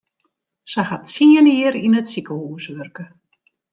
Se hat tsien jier yn it sikehús wurke.